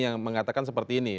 yang mengatakan seperti ini